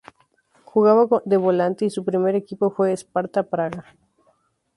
Jugaba de volante y su primer equipo fue Sparta Praga.